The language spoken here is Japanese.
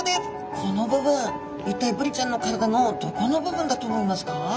この部分一体ブリちゃんの体のどこの部分だと思いますか？